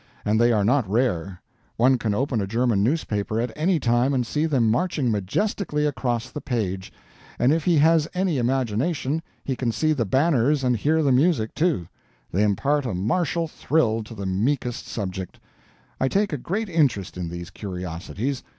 And they are not rare; one can open a German newspaper at any time and see them marching majestically across the page and if he has any imagination he can see the banners and hear the music, too. They impart a martial thrill to the meekest subject. I take a great interest in these curiosities.